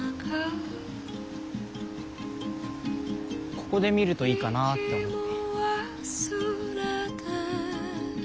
ここで見るといいかなって思って。